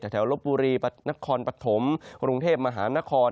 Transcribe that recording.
แถวแถวลบบุรีนครปัฐมคลุงเทพฯมหานคร